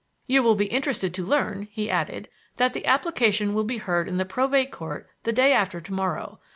"You will be interested to learn," he added, "that the application will be heard in the Probate Court the day after to morrow.